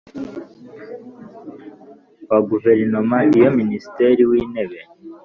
Kwa guverinoma iyo minisitiri w intebe